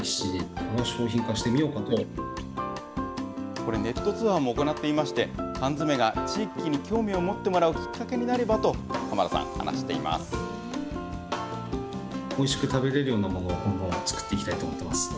これ、ネット通販も行っていまして、缶詰が地域に興味を持ってもらうきっかけになればと、濱田さん、話しています。